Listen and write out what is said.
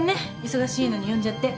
忙しいのに呼んじゃって。